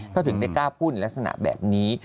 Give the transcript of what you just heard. เขาถึงไม่กล้าพูดในลักษณะแบบนี้